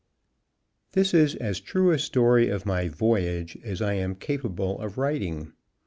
This is as true a story of my "voyage" as I am capable of writing.